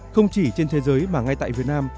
không chỉ trên thế giới mà ngay tại việt nam